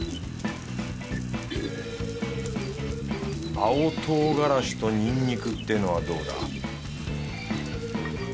青唐辛子とニンニクってのはどうだ？